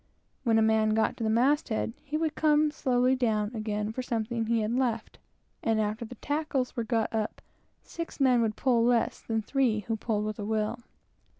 When a man got to the mast head, he would come slowly down again to get something which he had forgotten; and after the tackles were got up, six men would pull less than three who pulled "with a will."